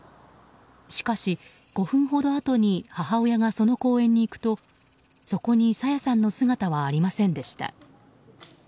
しかし、５分ほどあとに母親がその公園に行くとそこに朝芽さんの姿はありませんでした。